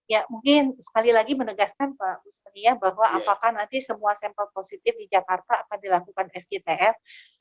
ya mungkin sekali lagi menegaskan pak bustria bahwa apakah nanti semua sampel positif di jakarta akan dilakukan sgtf